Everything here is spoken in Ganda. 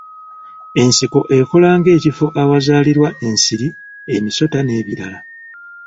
Ensiko ekola ng'ekifo awazaalirwa ensiri, emisota, n'ebirala.